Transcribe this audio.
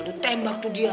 lo tembak tuh dia